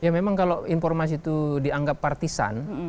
ya memang kalau informasi itu dianggap partisan